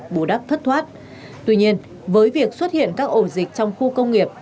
bù đắp thất thoát tuy nhiên với việc xuất hiện các ổ dịch trong khu công nghiệp